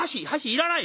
いらない。